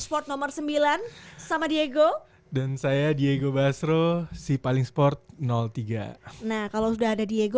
sport nomor sembilan sama diego dan saya diego basro si paling sport tiga nah kalau sudah ada diego